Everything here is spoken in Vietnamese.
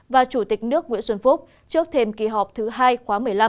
và chủ tịch nước nguyễn xuân phúc trước thêm kỳ họp thứ hai khóa một mươi năm